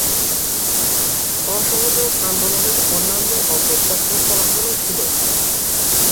অসহযোগ আন্দোলনের অন্যান্য অপ্রত্যক্ষ ফলাফলও ছিল।